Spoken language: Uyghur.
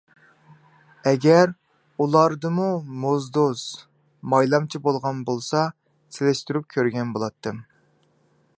ئەگەر ئۇلاردىمۇ موزدۇز، مايلامچى بولغان بولسا سېلىشتۇرۇپ كۆرگەن بولاتتىم.